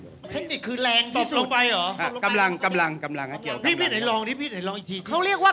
เทคนิคคือแรงจบลงไปหรอกำลังกำลังพี่ไหนลองก็ได้ว่า